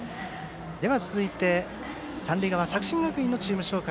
では続いて三塁側、作新学院のチーム紹介。